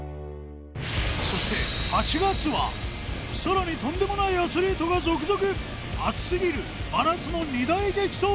そして８月はさらにとんでもないアスリートが続々アツすぎる真夏の２大激闘